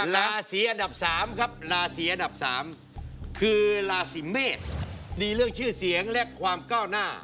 ราศีอันดับ๓ครับราศีอันดับ๓คือราศีเมษดีเรื่องชื่อเสียงและความก้าวหน้า